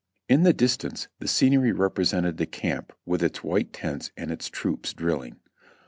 In the distance the scenery represented the camp with its white tents and its troops drilling.